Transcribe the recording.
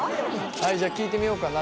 じゃあ聞いてみようかな。